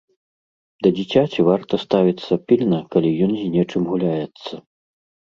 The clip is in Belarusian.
Да дзіцяці варта ставіцца пільна, калі ён з нечым гуляецца.